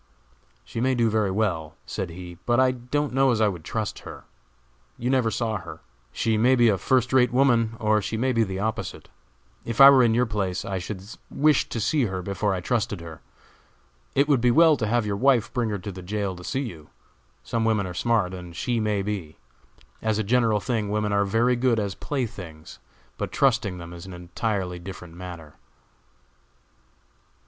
"She may do very well," said he, "but I don't know as I would trust her. You never saw her. She may be a first rate woman, or she may be the opposite. If I were in your place I should wish to see her before I trusted her. It would be well to have your wife bring her to the jail to see you. Some women are smart, and she may be. As a general thing women are very good as playthings, but trusting them is an entirely different matter."